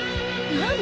何？